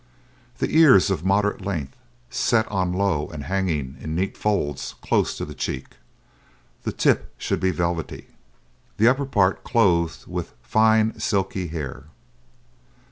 The ears of moderate length, set on low and hanging in neat folds close to the cheek; the tip should be velvety, the upper part clothed with fine silky hair.